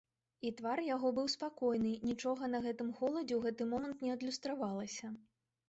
І твар яго быў спакойны, нічога на гэтым холадзе ў гэты момант не адлюстравалася.